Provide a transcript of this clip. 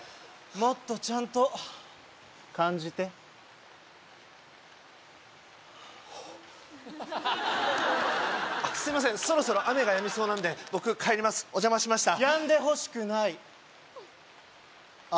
もっとちゃんと感じてあっすいませんそろそろ雨がやみそうなんで僕帰りますお邪魔しました